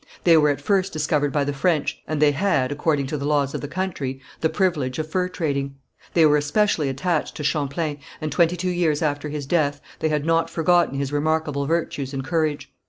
They were at first discovered by the French, and they had, according to the laws of the country, the privilege of fur trading. They were especially attached to Champlain, and twenty two years after his death they had not forgotten his remarkable virtues and courage.